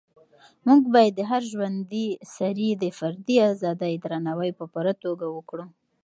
موږ باید د هر ژوندي سري د فردي ازادۍ درناوی په پوره توګه وکړو.